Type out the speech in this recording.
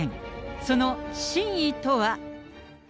その真意とは。